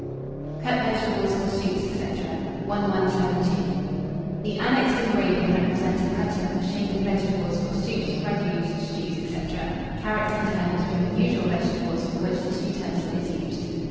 CUT VEGETABLES FOR SOUPS, &c. [Illustration: VEGETABLE CUTTER.] 1172. The annexed engraving represents a cutter for shaping vegetables for soups, ragouts, stews, &c. carrots and turnips being the usual vegetables for which this utensil is used.